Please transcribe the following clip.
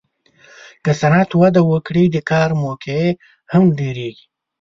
که صنعت وده وکړي، د کار موقعې هم ډېرېږي.